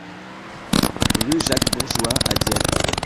Rue Jacques Bourgeois à Dieppe